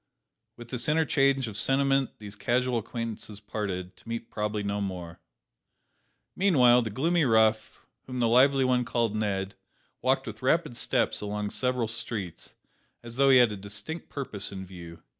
With this interchange of sentiment these casual acquaintances parted, to meet probably no more! Meanwhile the gloomy rough, whom the lively one had called Ned, walked with rapid steps along several streets, as though he had a distinct purpose in view.